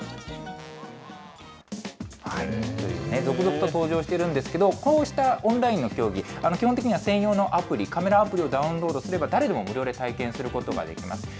続々と登場しているんですが、こうしたオンラインの競技、基本的には専用のアプリ、カメラアプリをダウンロードすれば、誰でも無料で体験することができます。